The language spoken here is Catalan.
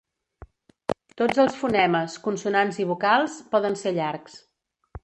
Tots els fonemes, consonants i vocals, poden ser llargs.